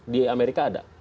di amerika ada